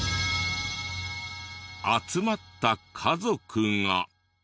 集まった家族が。